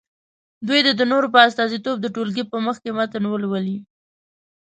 دوی دې د نورو په استازیتوب د ټولګي په مخکې متن ولولي.